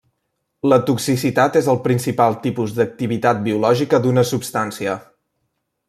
La toxicitat és el principal tipus d'activitat biològica d'una substància.